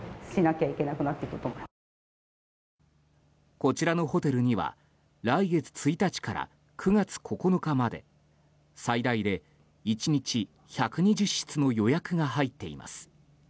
こちらのホテルには来月１日から９月９日まで最大で１日１２０室の予約が入っています。